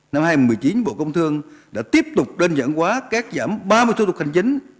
năm hai nghìn một mươi chín bộ công thương đã tiếp tục đơn giản hóa cắt giảm ba mươi thủ tục hành chính